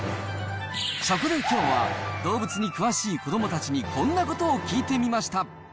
そこできょうは、動物に詳しい子どもたちにこんなことを聞いてみました。